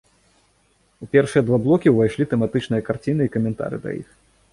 У першыя два блокі ўвайшлі тэматычныя карціны і каментары да іх.